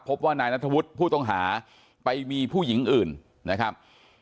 พบว่านายนัทธวุฒิผู้ต้องหาไปมีผู้หญิงอื่นนะครับ